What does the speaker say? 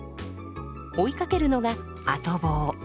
追いかけるのが後棒。